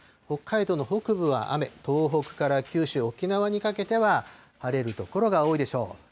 北海道の北部は雨、東北から九州、沖縄にかけては晴れる所が多いでしょう。